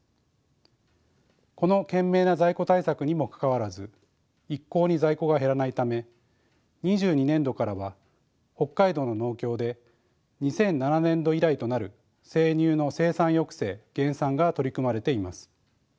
この懸命な在庫対策にもかかわらず一向に在庫が減らないため２２年度からは北海道の農協で２００７年度以来となる生乳の生産抑制・減産が取り組まれています。